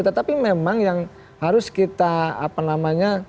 tetapi memang yang harus kita apa namanya